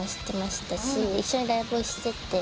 一緒にライブをしてて。